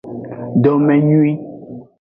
Domenyui.